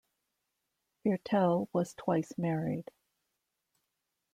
Viertel was twice married.